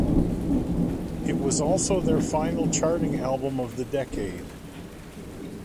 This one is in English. It was also their final charting album of the decade.